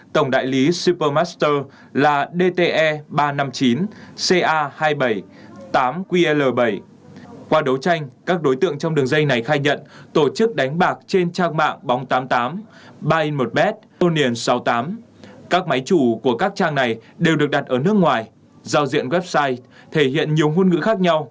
tổng đại lý tổ chức đánh bạc do nguyễn văn tú sinh năm một nghìn chín trăm bảy mươi bảy và vũ ngọc thành sinh năm một nghìn chín trăm bảy mươi sáu